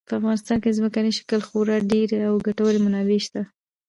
په افغانستان کې د ځمکني شکل خورا ډېرې او ګټورې منابع شته.